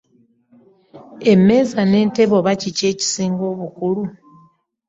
Emmeeza n'entebe oba kiki ekisinga obukulu?